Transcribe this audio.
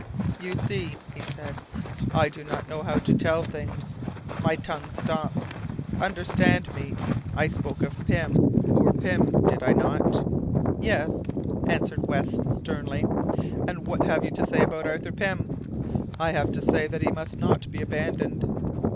"You see," he said, "I do not know how to tell things. My tongue stops. Understand me, I spoke of Pym, poor Pym, did I not?" "Yes," answered West, sternly; "and what have you to say about Arthur Pym?" "I have to say that he must not be abandoned."